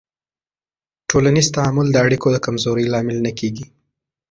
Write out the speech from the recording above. ټولنیز تعامل د اړیکو د کمزورۍ لامل نه کېږي.